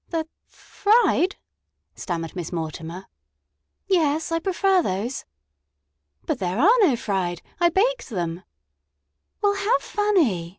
"The f fried?" stammered Miss Mortimer. "Yes; I prefer those." "But there are no fried. I baked them." "Well, how funny!"